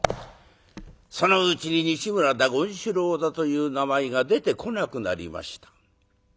そのうちに西村だ権四郎だという名前が出てこなくなりました。